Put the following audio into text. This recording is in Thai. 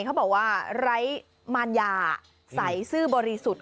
เขาบอกว่าไร้มารยาใส่ซื่อบริสุทธิ์